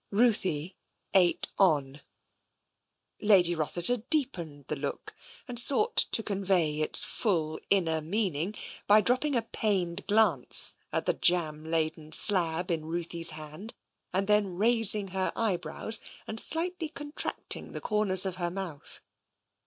Ruthie ate on. Lady Rossiter deepened the look and sought to con vey its full inner meaning by dropping a pained glance at the jam laden slab in Ruthie's hand and then raising her eyebrows and slightly contracting the comers of her mouth.